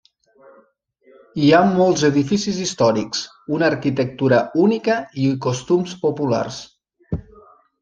Hi ha molts edificis històrics, una arquitectura única i costums populars.